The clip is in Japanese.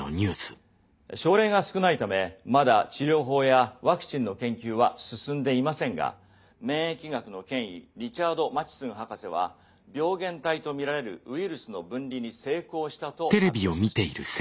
症例が少ないためまだ治療法やワクチンの研究は進んでいませんが免疫学の権威リチャード・マチスン博士は病原体とみられるウイルスの分離に成功したと発表しました。